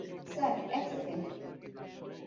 Sir, এক second.